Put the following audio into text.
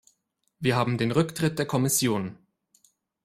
Wir haben den Rücktritt der Kommission.